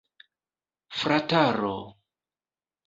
Frataro!